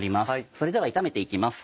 それでは炒めて行きます。